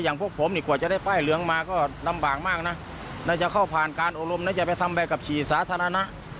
พวกผมนี่กว่าจะได้ป้ายเหลืองมาก็ลำบากมากนะน่าจะเข้าผ่านการอบรมนะอย่าไปทำใบขับขี่สาธารณะ